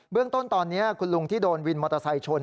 เรื่องต้นตอนนี้คุณลุงที่โดนวินมอเตอร์ไซค์